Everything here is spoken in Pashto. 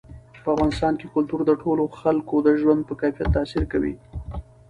په افغانستان کې کلتور د ټولو خلکو د ژوند په کیفیت تاثیر کوي.